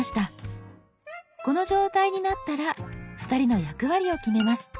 この状態になったら２人の役割を決めます。